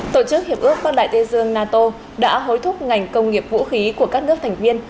tổ chức hiệp ước bắc đại tây dương nato đã hối thúc ngành công nghiệp vũ khí của các nước thành viên